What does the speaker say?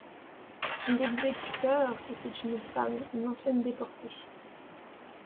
L'exécuteur était une femme, une ancienne déportée.